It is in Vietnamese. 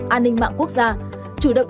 an ninh mạng quốc gia chủ động